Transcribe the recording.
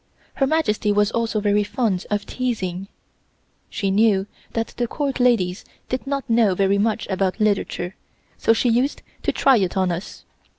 Her Majesty was also very fond of teasing. She knew that the Court ladies did not know very much about literature, so she used to try it on us.